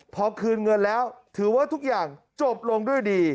พอคืนเงินแล้วถือว่าทุกอย่างจบลงด้วยดี